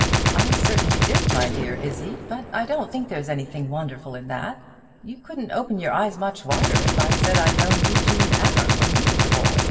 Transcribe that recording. "I certainly did, my dear Izzie; but I don't think there's anything wonderful in that. You couldn't open your eyes much wider if I'd said I'd known Eugene Aram when he was a boy.